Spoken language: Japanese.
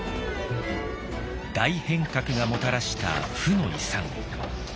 大変革がもたらした負の遺産。